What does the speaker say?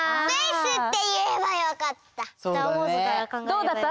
どうだった？